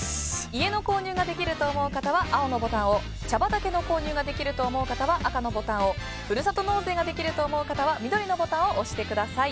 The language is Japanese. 家の購入ができると思う方は青のボタンを茶畑の購入ができると思う方は赤のボタンふるさと納税ができると思う方は緑のボタンを押してください。